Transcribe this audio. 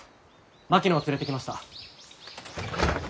槙野を連れてきました。